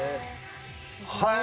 「はい」